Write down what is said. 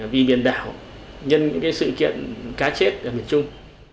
vì biển đảo nhân những sự kiện cá chết ở miền trung